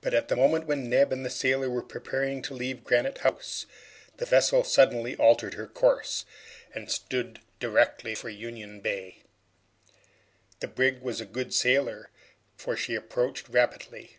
But at the moment when Neb and the sailor were preparing to leave Granite House, the vessel suddenly altered her course, and stood directly for Union Bay. The brig was a good sailer, for she approached rapidly.